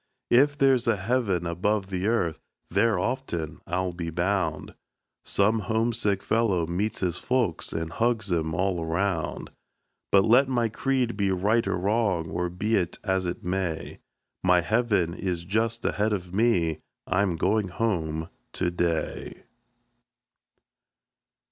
If there's a heaven above the earth, there often, I'll be bound, Some homesick fellow meets his folks, and hugs 'em all around. But let my creed be right or wrong, or be it as it may, My heaven is just ahead of me I'm going home to day.